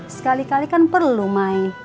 sekali kali kan perlu mai